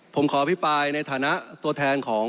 ผมขออภิปรายในฐานะตัวแทนของ